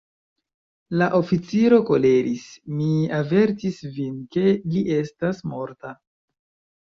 La oficiro koleris: “Mi avertis vin, ke li estas morta!